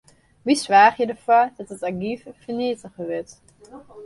Wy soargje derfoar dat it argyf ferneatige wurdt.